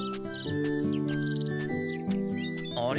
あれ？